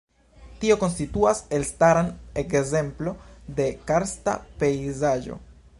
Tio konstituas elstaran ekzemplo de karsta pejzaĝo.